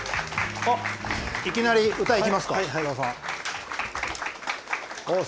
いきなり歌いきますか？